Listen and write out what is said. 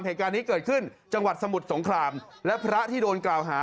เหตุการณ์นี้เกิดขึ้นจังหวัดสมุทรสงครามและพระที่โดนกล่าวหา